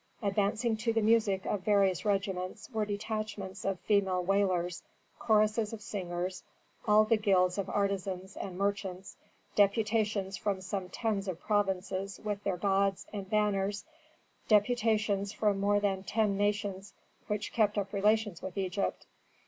Advancing to the music of various regiments were detachments of female wailers, choruses of singers, all the guilds of artisans and merchants, deputations from some tens of provinces with their gods and banners, deputations from more than ten nations which kept up relations with Egypt.